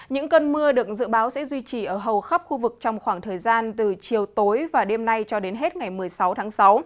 những cơn mưa được dự báo sẽ duy trì ở hầu khắp khu vực trong khoảng thời gian từ chiều tối và đêm nay cho đến hết ngày một mươi sáu tháng sáu